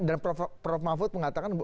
dan prof mahfud mengatakan